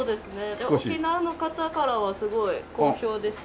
沖縄の方からはすごい好評でした。